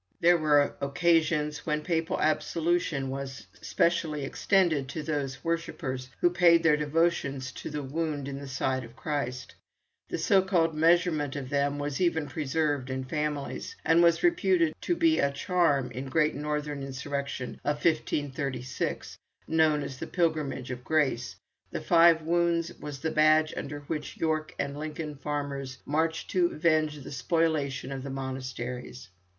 There were occasions when papal absolution was specially extended to those worshippers who paid their devotions to the wound in the side of Christ. The so called measurement of them was even preserved in families, and was reputed to be a charm. In the great northern insurrection of 1536, known as the Pilgrimage of Grace, the Five Wounds was the badge under which York and Lincoln farmers marched to avenge the spoliation of the monasteries.